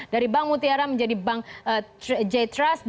dari bank mutiara menjadi bank j trust